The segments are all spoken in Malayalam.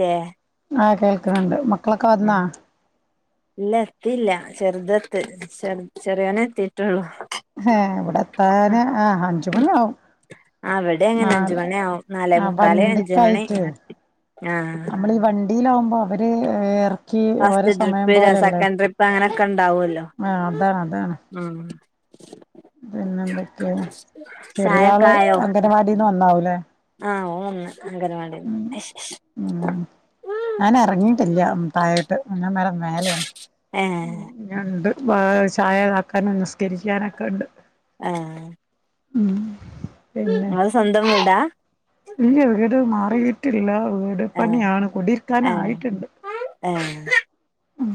ലേ ആഹ് കേൾക്ക്ണ്ണ്ട് മക്കളെക്ക വന്നാ? ഇല്ല എത്തീല്ല ചെറുതത്ത് ചെറ് ചെറിയോനെത്തിട്ടുള്ളൂ ഹെ ഇവ്ടെത്താന് ആഹ് അഞ്ചുമണി ആവും അവിടെ അങ്ങനെ അഞ്ച് നാല് മണിയാവും നാലേ ആഹ് മുക്കാല് അഞ്ച് മണി വണ്ടിക്കായിട്ടെ ആഹ് നമ്മള് ഈ വണ്ട് ടീലാവ്മ്പം അവര് എറക്കി ഓര ഫസ്റ്റ് സമയം ട്രിപ്പ് പോലല്ലേ സെക്കൻഡ് ട്രിപ്പ് അങ്ങനൊക്കെ ഉണ്ടാവുമല്ലോ ആ അതാണ് അതാണ് ഉം പിന്നെന്തെക്കെ ചെറിയള് ചായക്കായോ അംഗനവാടിന്ന് വന്നാവൂലേ ആഹ് ഓൻ വന്ന് അംഗനവാടിന്ന് ഉ ഉം ഞാനെറങ്ങിട്ടില്ല തായോട്ട് ഞാൻ മേല മലോണ് ഉം ഏഹ് ഞ ണ്ട് ചായതാക്കാൻ തിരിക്കാനൊക്കെണ്ട് ആഹ് ഉം പിന്നെ [unintelligible] സ്വന്തം വിടാ ഇല്ല വീട് മാറിയിട്ടില്ല വീട് ഏഹ് പണിയാണ് കൊടിരിക്കാന ഏഹ് ആയിട്ടുണ്ട് [unintelligible]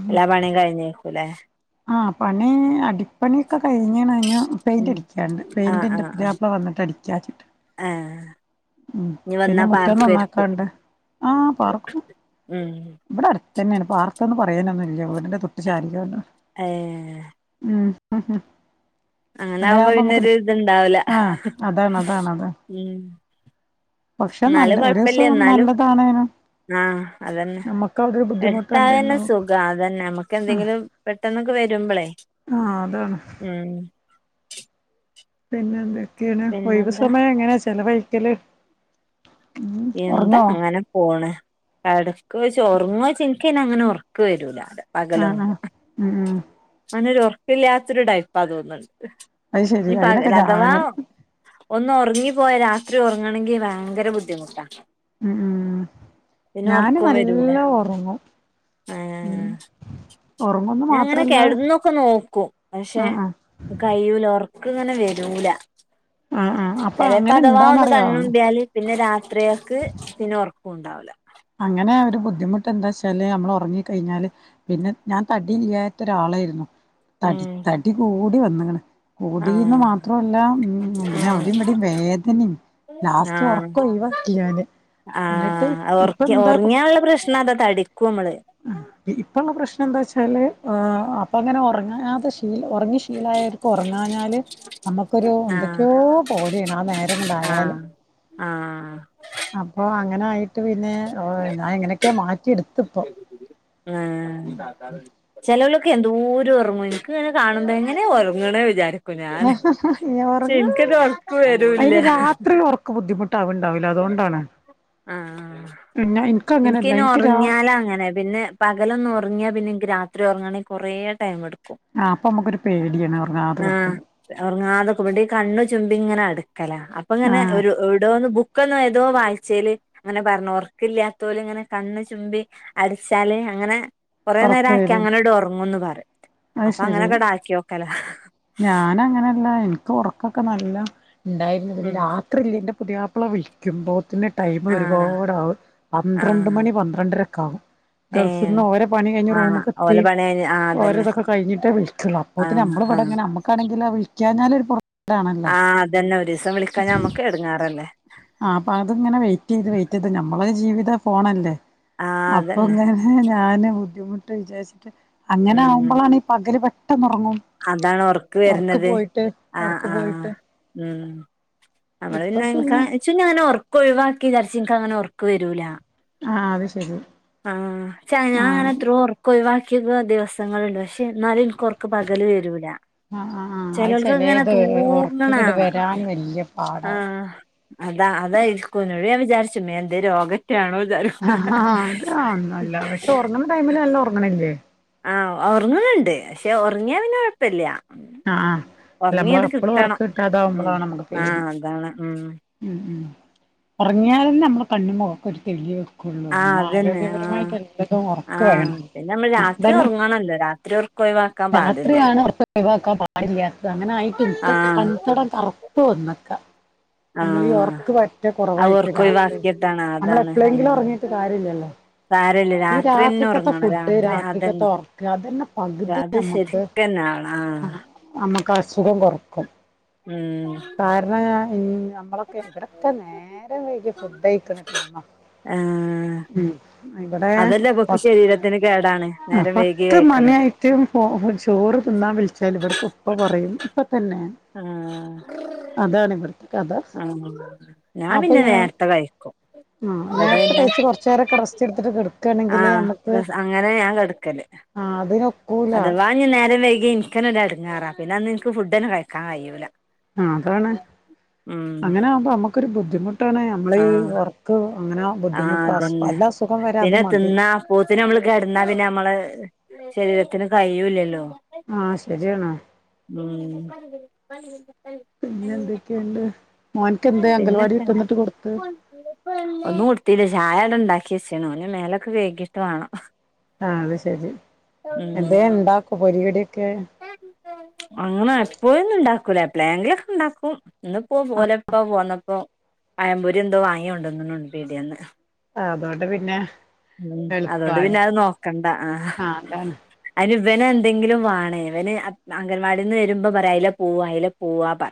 എല്ലാ പണി കഴിഞ്ഞക്കൂലേ ആഹ്, പണി അടിപ്പണി ഒക്കെ കഴിഞ്ഞ് ണ് ഇഞ്ഞ് ഉം പെയിന്റടിക്ക്യാണ്ട് ആഹ് പെയിന്റ് ഇന്റെ ആഹ് ആഹ് പുതിയാപ്ല വന്നിട്ട് അടിക്ക്യാച്ചിട്ട് ആഹ് ഉം ഇനി പിന്നെ വന്നാ മുറ്റം പാർക്കുവായിരിക്കും നന്നാക്കാൻണ്ട് ആ പാർക്കും ഉം ഇവിടെ അടുത്തന്നെയാണ് പാർക്കാന്ന് പറയാനൊന്നും ഇല്ല വീടിന്റെ തൊട്ട് ചാരിക്കാണ്ടാണ് ഏഹ് ഉം അഹ് അങ്ങനെ ആവുമ്പോ പിന്നൊരു ഇതുണ്ടാവുല്ല ആഹ് അതാണ് അതാണ് അതാണ് പക്ഷെ നല്ല ന്നാലും ഒരു കൊഴപ്പല്ല്യ ദിവസം ന്നാലും നല്ലതാണേനും ആഹ് അതന്നെ നമ്മക്ക് അതൊരു ബുദ്ധിമുട്ട് എന്തേലും എടുത്തായാലന്നെ സുഖം അതന്നെ നമ്മുക്ക് ആഹ് എന്തെങ്കിലും പെട്ടെന്നൊക്കെ വരുമ്പളേ ആഹ് അതാണ് ഉം പിന്നെ എന്തെ ക്കേണ് ഒഴിവ് പിന്നെന്താ സമയം എങ്ങനെ ചിലവഴി ക്കല് എന്താ അങ്ങനെ പോണ് കടക്കോയ്ച്ചാ ഒർങ്ങോയ്ച്ചാ ക്ക്ന്നെ അങ്ങനെ ഒർക്ക് വരൂല്ല [unintelligible] ആഹ് പകലൊന്നും ആഹ് ഉം ഉം അങ്ങനൊരൊർ ക്കില്ലാത്തൊരു ടൈപ്പാ തോന്ന് അത് ശെരി അയിനൊക്കെ ഞാന് ന്ന് ഉറങ്ങിപ്പോയാ രാത്രി ഉറങ്ങണെങ്കിൽ ഭയങ്കര ബുദ്ധിമു ട്ടാ ഉം ഉം പിന്നെ ഞാന് ഒറക്കോം വരൂല നല്ല ഒറങ്ങും ആ ഉം ഒറങ്ങുന്ന് പിന്നങ്ങനെ മാത്രല്ല കെടന്നൊക്കെ നോക്കും പക്ഷെ ആഹ് ആഹ് കഴിയൂല ഒർ ക്ക് ഇങ്ങനെ വരൂല ആഹ് ആഹ് അപ്പൊ അങ്ങനെ ചെലേപ്പഥവാ ഒന്ന് എന്താന്നറിയോ കണ്ണുംമ്പ്‌യാല് പിന്നെ രാ ത്രികക്ക് പിന്നെ ഒർക്കൂണ്ടാവൂല്ല അങ്ങനെ ഒരു ബുദ്ധിമുട്ട് എന്താ വെച്ചാല് നമ്മള് ഉറങ്ങി കഴിഞ്ഞാല് പിന്നെ ഞാൻ തടില്ലാത്ത ഒരാളേരുന്നു തടി തടി കൂ ടി വന്ന്ക്ണ് കൂടീന്ന് ആഹ് മാത്രമല്ല പിന്നെ അവിടെയും ഇവിടെയും വേദനിം ലാസ്റ്റ് ആഹ് ഒർക്കം ഒഴിവാക്കി ഞാന് ഇന്നട്ട് ഒർക്കി ഓർങ്ങിയാ ഉള്ള പ്രശ്ന അത തടിക്കും നമ്മള് ഇപ്പൊള്ള പ്രശ്നം എന്താ വച്ചാല് ആഹ് അപ്പ അങ്ങനെ ഉറങ്ങാതെ ശീ ലി ഉറങ്ങി ശീലായോര്ക്ക് ഒറങ്ങാഞ്ഞാല് നമുക്കൊരു ആഹ് എന്തൊക്കെയോ പോലെണ് ഞാൻ നേ ആഹ് ആഹ് [unintelligible] അങ്ങനായിട്ട് പിന്നെ ഞാൻ എങ്ങനെയൊക്കെ മാറ്റി എടുത്ത് ഇപ്പൊ ആഹ് ചെലവ് എന്തോരം ഉറങ്ങും എനിക്ക് ഇങ്ങനെ കാണുന്നെ എങ്ങനെ ഉറങ്ങണേ വിചാരിക്കും ഞാന് ഇനി ഉറങ്ങാ എനിക്കത് ഉറക്ക് വരൂല്ല അയിന് രാത്രി ഉറക്ക് ബുദ്ധിമുട്ടാവണ്ടാവില്ല അതുകൊണ്ടാണ് പിന്നെ എനിക്ക് അങ്ങനെയല്ല എനിക്ക് രാ അകലൊന്നന്ന് ഉറങ്ങിയാ പിന്നെ രാത്രി ഉറങ്ങണെങ്കിൽ കുറെ ടൈം എടുക്കും ആ അപ്പൊ നമ്മുക്കൊരു പേടിയാണ് ഉറങ്ങാതെ ആ കിടക്കുമ്പോ ഉറങ്ങാതെ വട്ടി കണ് ച ഇങ്ങനാട് ല അപ്പൊ ഇങ്ങനെ ആഹ് ഒരു ഇവടെോന്ന് ബുക്ക് എല്ലാം എന്തോ വഴച്ചൽ അങ്ങനെ പറഞ്ഞ ഉറക്കില്ലാത്ത പോലും ഇങ്ങനെ കണ്ണ് ചുമ്പി അടിച്ചാല് അങ്ങനെ കുറെേ നേരം ഉറക്കം ആക്കി വരും അങ്ങനെട് ഉറങ്ങുംന്ന് പറ അത് അപ്പൊ അങ് ശരി നെൊക്കെടാക്കിക്കല ഞാൻ അങ്ങനെയല്ല എനിക്ക് ഉറക്കൊക്കെ നല്ല ഉണ്ടായിരുന്നതിന് ഉം രാത്രി ഇല്ല പുതിയയാപ്പള വിഴിക്കുമ്പോ ന് ടൈമ ആഹ് ഒരുപാട ആകും പന്ത്രണ്ട് ആഹ് മണി പന്ത്രണ്ടര കൗ ഗൾഫിൽ ഏഹ് നിന്ന് ഓരോ പണിഴിഞ്ഞ ആഹ് റൂമൊക്ക ഓലെ പണി കഴിഞ്ഞ് ആഹ് അതന്നെ എഓരോന്നു കഴിഞ്ഞിട്ടേ വിളുള്ളൂ അപ്പോഴത്തന്ന ആഹ് നമ്മ ഇവിടെങ്ങെ നമുക്ക വിിക്ക [unintelligible] ആഹ അതന്നെ ഒരു ദിവസം വിളിക്കാ നമ്മുക്ക് എടുങ്ങാറല്ലേ ആ് അപ്പൊ അത് ഇങ്ങനെ വെയിറ്റ് ചെയ്ത് വെയിറ്റ് ചെയ്ത് നമ്മളരു ജീവിത ഫോണല്ലേ ആഹ് അതന്നെ അപ്പൊങ്ങെ ഞാന് ബുദ്ധിമുട്ട് വിചാരിച്ചിട്ട് അങ്ങനെ ഉം ആകുമ്പോളാണ് ഈ പകര് അതാണ് ഉറക്ക് വരുന്നത് പോയിട്ട് ആ ഉറക്ക് ആഹ പോയിട്ട് ഉം നമ്മള് പിന്നെ എ അങ്ങനെ ഉർക്ക ഒഴിക്കിതരച്ചന അങ്ങനെർ വരൂല ആ അത് ശരി ആഹ് ആ അങ്ങനെ എത്ര ഉറക്ക ചില ദിവസങ്ങളുണ്ട് പക്ഷെ നാല ഉറക്കം പകൽ വരൂല ആ ആ ആ അത് ചിലൾക്കങ്ങനെ ചെലേത് ഉറക്കങ്ങട്ട് തൂങ്ങകാണാം വരാൻ വല്യ പാടാവും അതായിരിക്ക വിചാരിച്ചു മേ എന്തന്റെ രോഗം യാണോ ജാരോ ആ [unintelligible] അത് അന്നുല്ല പക്ഷെ ഉറങ്ങണ ടൈമില് നല്ല ഉറങ്ങണില്ലേ? ആഹ ഉറങ്ങുന്നുണ്ട് പക്ഷെ ഉറങ്ങിയാ പിന്നെ കൊഴപ്പില്ല ങഹ ഒർങ്ങിയത് കിട്ടണം മ്മ് ആ അതാണ് മ്മ് മ്മ് മ്മ് ഒർങ്ങിയാലെന്നെ കണ്ണും മൊകൊക്കൊര് തെളിയും ആ അതന്നെ ആ ആ ഉറക്ക് വേണം പിന്നെ അമ്മളൾ രാത്രി അതന്നെ ഒർങ്ങണല്ലോ രാത്രി ഒർക്കൊയിവാ രാത്രിയാണ് ഒർക് ഒഴിവാക്കാൻ പാടില്ലാത് അങ്ങനെ ആയിട്ട് ഇൻകൊക്കെ ആഹ് കൺതടം കർ പോന്ന്ക്ക നമ്മളീ ആഹ് ഒർക്ക് പറ്റ അത് കൊറവായിട്ട് രാത്രി, ഒർക്കൊഴിവാക്കിയതാണ് നമ്മൾ അതാണ് എപ്പളെങ്കിലും ഉം ഒറങ്ങീട്ട് കാര്യല്ലല്ലോ സാരല്ല ഈ രാത്രിന്നെ രാത്രിക്കത്തെ ഒറങ്ങണം ഫുഡ് രാത്രി രാത്രിക്കത്തെ അതന്നെ ഒർക്ക് അതന്നെ പകുതി അത് നമ്മുക്ക് ശരിക്കന്നാണ് ആഹ് നമ്മക്ക് അസുഖം കൊർക്കും മ്മ് മ്മ് നമ്മളൊക്കെ ഇവിടോക്കെ നേരം വൈകി ഫുഡഴിക്ക്ണ ടീമ ആഹ് മ്മ് ഇവിടെ അതല്ലേ പ ഇബക്ക് ശരീരത്തിന് കേടാണ് ആ നേരം വൈകി പത്ത് കഴിക്കണത് മണിയായിട്ടും ചോറ് തിന്നാൻ വിളിച്ചാൽ ഇവട്ത്തെ ഉപ്പ പറേം തന്നെ അതാണ് ഇവിടുത്തെ കഥ ആ ഞാൻ പിന്നെ നേരത്തെ കഴിക്കും ആ ഇവടെ നേരത്തെ പിന്നെ കഴിച്ച് കുറച്ച് നേരൊക്കെ [unintelligible] [unintelligible] ആ നമ്മുക്ക് ന്നാ സ അങ്ങനെ ഞാൻ കട്ക്കല് ആ അതിനൊക്കൂല അതവാ ഞാൻ നേ നേരം വൈകി ഇൻക്കെണെന്നെ ഇട്ങ്ങേറാ പിനന്ന് ഇൻക്ക് ഫുഡെന്നേ കഴികാൻ കഴിയൂല്ല. ആ അതാണ് അങ്ങനെ ആവുമ്പോ അമ്മുക്കൊരു ബുദ്ധിമുട്ട് ട്ടാണ് അമ്മളെയീ ഒർക്കോ ആ അതന്നെ വരെ അത് പിന്നെ മതി തിന്നാ അപോത്തിന് അമ്മള് കേട്ന്നാ പിന്നെ അമ്മള് ശരീരത്തിന് കയ്യൂല്ലല്ലോ ആ ശരിയാണ് ഉം പിന്നെന്തൊക്കെയൊണ്ട് മോൻക്കെ ന്താ അംഗൽവാടി പിന്നൊക്കെ വിട്ടെന്നിട്ട് കൊടുത്തെ ഒന്നും കൊടാത്തീല്ല ചായ ആവിടെ ണ്ടാക്കിയെച്ച്ണ് ഓൻ ഞ് മേലൊക്കെ കഴ്കിട്ട് വാണം ആ അത് ശരി ഉം എന്തേലും ണ്ടാക്കൊ പൊരിക്കടിയൊക്കെ കൂല എപളേങ്കി ലൊക്കെ ഇണ്ടാക്കും ഇന്ന്പ്പോ ഓലപ്പോ പോന്നപ്പോ പകമ്പൊരി എന്തോ വാങ്ങിയോണ്ടോന്ന് ന്ന്ണ് പീടിയേന്ന് അതുകൊണ്ട് പിന്നെ ഉം അതൊണ്ട് എളുപ്പാണ് പിന്നെ അത് നോക്കണ്ടാ ആഹ് അതാണ് അന് ഇവൻ എന്തെങ്കിലും വേണേ ഇവൻ അംഗൻവാടിന്ന് വരുമ്പോ പറയും അയിലെ പോവും അയിലെ പോവാ പറ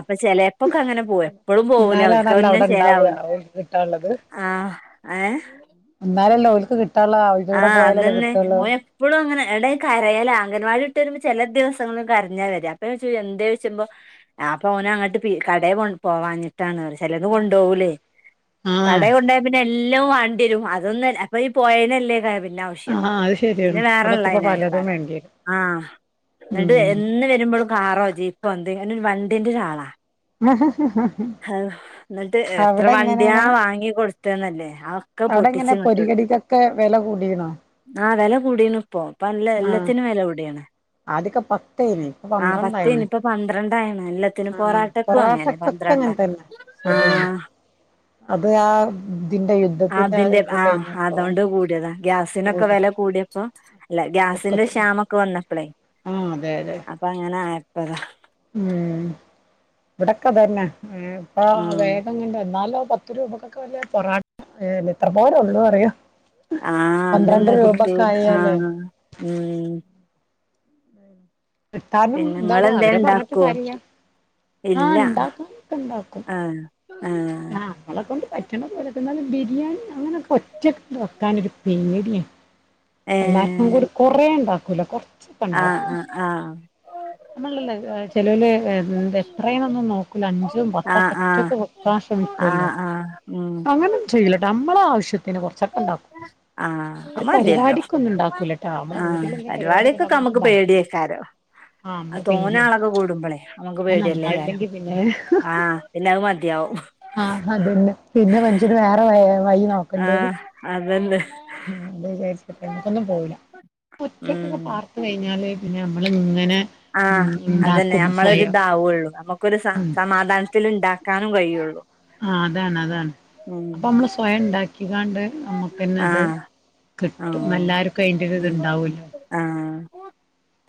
അപ്പ ചെലയപ്പൊക്കെ അങ്ങനെ പോക എപ്പഴും പോവൂല എന്നാലാണല്ലോ അവൽക്കന്നെ അവിടെ ഉണ്ടാവുക ചിലാവൂല ഓൽക്ക് ആഹ് ഏഹ് എന്നന്നാലല്ലോഓലക്ക് കിട്ട് ആഹ് അത് തന്നെ ഓ എപ്പോഴും അങ്ങനാ എടേക്കരയലാ അംഗൻവാടി ഇ വരുമ്പോ ചെല ദിവസങ്ങള് കരഞ്ഞാ വരാ അപ്പ ചോ എന്താ ചോദിച്ച്പോ അപോവന അങ്ങോട്ട് കട പോവാഞിട്ടാണ് പറയും ചെലത് കൊണ്ട്പോവൂലെ കട ആഹ് കൊണ്ട് പോയാപിന്നെ എല്ലാം വാങ്ങി ണ്ടിവരും അതൊന്നും അല്ല അപ്പൊ ഈ പോയേനേല്ലേ ര [unintelligible] പി ആവശ്യം ആഹ് അത് പിന്നെ ശരിയാണ് അവിടെത്തുമ്പോ വേറെള്ളാനാ പലതും ആവികാരം വേണ്ടി വരും ആഹ് എന്നിട്ട് ഉം എന്ന് വരുമ്പോഴും കാറോ ജീപ്പോ എ ഞാനൊരു വണ്ടിന്റെ ഒരാളാ ആഹ് എന്നിട്ട് എത്ര അവിടെ വണ്ടിയാ എങ്ങനെയാണ് വാങ്ങി കൊടുത്തന്നല്ലേ അതൊക്കെ പൊട്ടിച്ചു ഇങ്ങട്ടിടും വെല കൂടിയെന്നോ? ആഹ വില കൂടിയണ് ഇപ്പോ അപ്പ എല്ല ആഹ് എല്ലാത്തിനും വില കൂടിയാണ് ആദ്യൊക്കെ പത്തെനി ഇപ്പൊ ആ പന്ത്രണ്ടായിണ് പത്തേനി ഇപ്പൊ പന്ത്രണ്ടായിണ് എല്ലാത്തിനും ആഹ് പൊറാട്ടക്കും അങ്ങനെ പൊറാട്ടക്കൊക്കെ പന്ത്രണ്ടാ അങ്ങൻതന്നെ ആ ശെര്യാണ് അത് ആ തിന്റെ യുദ്ധത്തിന്റെ ഇത് കഴിഞ്ഞപ്പോ ആഹ് ഗ്യ ക്കെ കൂടി വെല കൂട്യപ്പം ഇല്ല ഗ്യാസിന്റെ ഒക്കത്തിനും ക്ഷാമൊക്കെ വന്നപ്പളേ ആഹ് അതെ യതെ ആയപ്പത ഇവടൊക്കെ തെന്നെ ഏ ഇപ്പ ഉം വേഗംങ്ങണ്ട് എന്നാലോ പത്ത് രൂപക്കൊക്കെ വല്ല പൊറാട്ട അ് മിത്ര പോ റൊള്ളോ റ്യോ ആഹ് അതെന്നെ കിട്ടൂല ആയാലേ ആഹ് ഉം ഇട്ടാരണം പിന്നെ ന്താണ് ഇങ്ങളെന്തേ അവരെ പർഞ്ഞിട്ട് ഇണ്ടാക്കോ കാര്യല്ല ആഹ് ഇല്ല ഇണ്ടാക്കാനൊക്കെണ്ടാക്കും. ആ ആ ആഹ് അളക്കണ്ട്- പറ്റണ പോലൊക്കന്നാലും ബിരിയാണി അങ്ങനക്കെഒറ്റക്ക് വെക്കാനൊരു പേടിയ- എല്ലാർക്കും ഒരു കൊറേ ഒണ്ടാ ക്കൂല കൊറ ആ ആ ആ ചിലവൽ ന്ത എത്രേന്നൊന്നും നോക്കൂല അഞ്ചും ആഹ് പതൊക്കെ ആഹ് ഒറ്റക് ആഹ് ഫഷൻമിക്കല്ല ആഹ് ആഹ് ഉം അങ്ങനനും ചെയ്ലട്ട നമ്മളെ ആവശ്യത്തി ആഹ് മതിയല്ലോ പരിപാടിക്കൊന്നും ഉണ്ടാക്കൂലട്ടാ നമ്മളെ ആഹ് വീട്ടിലെന്തെങ്കിലും പരിപാടിയൊക്കെ പരിപാടക്കൊക്കെ ഉണ്ടാക്കുമ്പോ എനിക്ക് നമുക്ക് മടിയാ പേടിയേക്കാരോ ആഹ് നമ്മക്ക് തോന്ന പേടിയാണ് ആളൊക്കെ കൂടുമ്പോളെ നമ്മുക്ക് അത് പേടിയല്ലേക്കാരോ നന്നായില്ലെങ്കി പിന്നെ ആഹ് പിന്നെ അത് മതിയാവും ആഹ് അതന്നെ പിന്നെ മനുഷ്യന് വേറെയ വൈ നോക്കണ്ടേത്. ആഹ് അതന്നെ ആഹ്, അത് വിചാരിച്ചട്ട അയ്മക്കൊന്നും പോവൂല. ഉം ഒറ്റക്കൊക്കെ പാർത് കഴിഞ്ഞാല് പിന്നെ നമ്മള് ഇങ്ങനെ ആഹ് ഉം അതന്നെ ഉണ്ടാക്കും നമ്മളൊരി സ്വയം ഇതാവയുള്ളൂ നമുക്കൊരു ഉം സമാധാനത്തി ഉണ്ടാക്കാനും കഴിയുള്ളു ആഹ്, അതാണ്, അതാണ് അപ്പൊ നമ്മള് സ്വയം ഉണ്ടാക്കി കാണ്ട്. നമുക്ക് തന്നെ അത് ആഹ് കിട്ടും. ആഹ് എല്ലാര്ക്കും അയിന്റെ ഒരു ഉം ത്ണ്ടാവ ല്ലോ? ആഹ്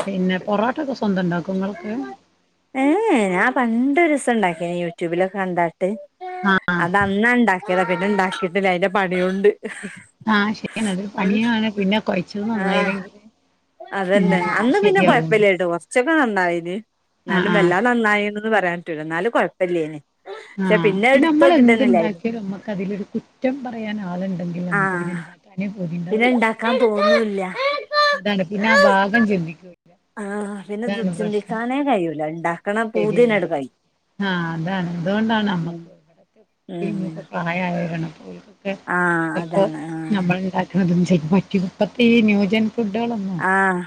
പിന്നെ, പൊറോട്ടക്ക ഏ, ഏ ഞാൻ പണ്ടൊരുസം ണ്ടാക്കിയ... ട്യൂബ് ലൊക്ക കണ്ട. ആഹ് അതന്നാ ഉണ്ടാക്കിയത പിന്നെണ്ടാക്കി കിട്ടില്ല അതിന്റെ പണിയുണ്ട് ആഹ് ശരിതിരു പണിയ പിന്നെ കുഴച്ചത് ആഹ് നന്നായില്ലെങ്കില് ഉം ശരിയാവണ്ട് ഉച്ചക്കെ നന്നായിത് എന്നാലും വല്ലാ നന്നായിരുന്നു പറയ റ്റുല ന്നാലും കൊഴപ്പില്ലേനി. ആഹ് പിന്ന നമ്മൾ എന്തുണ്ടാക്കിയ നമ്മക്ക് അതിലൊരു കുറ്റം പറയാൻ ആള ഉണ്ടെങ്കിൽ നമുക്ക് ആഹ് ഇന്ണ്ടാക്കാനേ പിന്നെ പോതിണ്ടാവൂില്ല ഇണ്ടാക്കാൻ തോന്നൂല്ല അതാണ് പിന്നെ ആഹ് ഭാഗം ചിന്തിക്കുവ ആഹ് പിന്നെ ചിന്തിക്കാനേ കഴിയൂല എണ്ടാ ശരിയാണ് ആഹ് അതാണ് അതുകൊണ്ടാണ് നമ്മക്ക് ഉം ഇവിടക്ക ഉം [unintelligible] [inaudible] ആഹ് ചെലപ്പോ അതാണ് ആഹ് നമ്മൾ ഉണ്ടാക്ക്ണതൊന്നും. [unintelligible] ഇപ്പത്തെ ഈ ന്യൂജെന. ഫുഡാളൊന്നും ആഹ്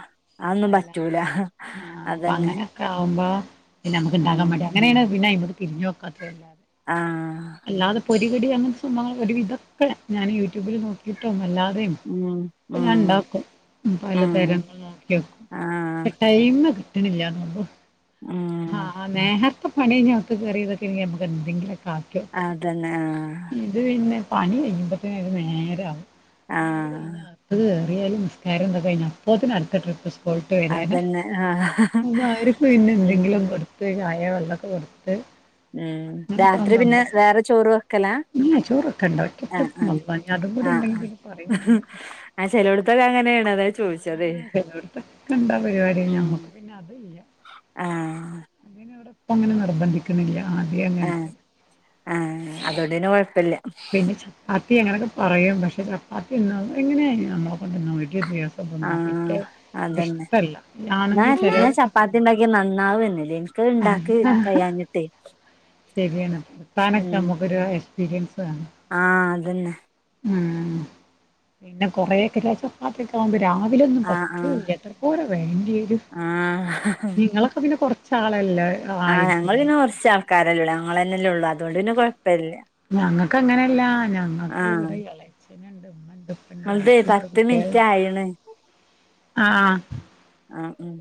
അതൊന്നും പറ്റൂല വല്ലാണ്ട് ആഹ് അപ്പൊ അതന്നെ അങ്ങനെയൊക്കെ ആകുമ്പോ. പിന്നെ നമുക്ക്ണ്ടാക്കാൻ ഉം മടി അങ്ങനെയാണ് പിന്നെ ഐ. തിരിഞ്ഞ്നോക്കാത്തല്ലേ. ആഹ്. [unintelligible] അങ്ങനത്തെ സംഭവങ്ങളെല്ലാം ഒരു വിധൊക്കെ ഞാൻ യൂട്യൂബിൽ നോക്കിയിട്ടും അല്ലാതെ. [unintelligible] ഉം ഇപ്പ ഉം ഞാൻ ഇണ്ടാക്കും ഉം പലതരങ്ങൾ നോക്കി വെക്കും ആഹ് പക്ഷെ ടൈമ് കി ട്ടിണില്ലന്നൊള്ളൂ ആ ഉം നേഹ ഇപ്പ പണികഴിഞ്ഞ് അകത്ത് കേറിയതൊക്കെ ആണെങ്കി നമുക്ക് എന്തെങ്കിലൊക്കെ ആക്കിയൊക്കെ അതന്നെ ആഹ് ഇത് പിന്നെ പണി കയ്യൂമ്പോത്തിന് ഒരു നേരാവും ഇങ്ങള്തു ആഹ് കഴിഞ്ഞോ [unintelligible] [unintelligible] നിസ്കാരം ഒക്കെ കയിഞ്ഞു അപ്പോത്തിനു അടുത്ത ട്രിപ്പ്‌ സ്കൂൾ പോയിട്ട് വരാനാ അതന്നെ ആഹ് ഉം [unintelligible] [unintelligible] കൊടുത്ത് ചാ വെള്ളക്കെ കൊടുത്ത് ഉം രാത്രി പിന്നെ വേറെ ചോറു വെക്കല ഇല്ല ചോറൊക്കെണ്ട ഒറ്റ ട്രിപ്പ്‌ [unintelligible] അതും കൂടി ആഹ് ഉണ്ടെങ്കി പിന്നെ പറയും വേണ്ട ആ ചെലോട്ത്തൊക്കെ അങ്ങനേണ് അതാ ചോയിച്ചത് ചെലോടത്തൊക്കെ ഉണ്ടാ പരിപാടി ഉം ഞമ്മക്ക് പിന്നെ അതില്ല [inaudible] ആഹ് ഇപ്പങ്ങനെ നിർബന്ധിക്കണില്ല ആ ആ അതോണ്ട് പിന്നെ കുഴപ്പമില്ല പിന്നെ [unintelligible] ചപ്പാത്തി അങ്ങനെയൊക്കെ പറയും പക്ഷേ ചപ്പാത്തി തിന്ന് എങ്ങനെയാണ് നമ്മളൊക്കെ ന്ന് വരും ആഹ് അതന്നെ ഇഷ്ടല്ല ആണുങ്ങൾ ഞാൻ ചിലവരൊക്കെ തിന്നും ചപ്പാത്തിണ്ടാക്കിയ നന്നാവെന്നെല്ലേ ഇണ്ടാക്കി കയിയാഞ്ഞിട്ടേ ശരിയാണ്ത്താനൊക്കെ നമ്മുക്കൊരു പിരീട്സാ ആഹ് അതന്നെ ഉം പിന്നെ കൊറെയൊക്കെ [unintelligible] രാവിലെ ഒന്നും ആഹ് ആഹ് പറ്റൂല്ലാ എത്ര പോര വേ ആഹ് നിങ്ങളൊക്കെ പിന്നെ പൊറ ചാളെല്ലേ ആഹ് ഞങ്ങൾ പിന്നെ കെറച്ച് ആൾക്കാരല്ലെ ഉള്ളോ ഞങ്ങളെന്നെല്ലെ ഉള്ളു ആ അതൊണ്ട് പിന്നെ കൊഴപ്പയില്ല ക്ക് അങ്ങനെയല്ല ഞങ്ങക്ക് ഇവിടെ എളച്ചി [inaudible] ന്തെ പത്ത് മിനിറ്റ് ആയിണ് ആഹ് ആ ഉം